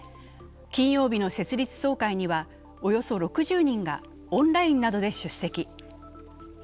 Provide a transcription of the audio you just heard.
金曜日の設立総会には、およそ６０人がオンラインなどで出席。